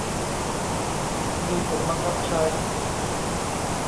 มีผลบังคับใช้